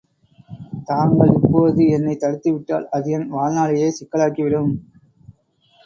தாங்கள் இப்போது என்னைத் தடுத்துவிட்டால், அது என் வாழ்நாளையே சிக்கலாக்கி விடும்.